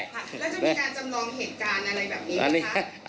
แล้วจะมีการจำลองเหตุการณ์อะไรแบบนี้ไหมคะ